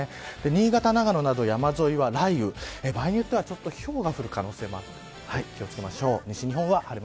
新潟、長野の山沿いは雷雨場合によってはちょっとひょうが降る可能性もあります。